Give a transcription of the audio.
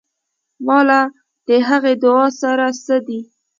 ما له د هغې دعا هر سه دي.